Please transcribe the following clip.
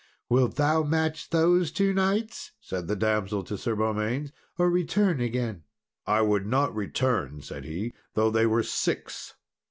"Wilt thou match those two knights," said the damsel to Sir Beaumains, "or return again?" "I would not return," said he, "though they were six."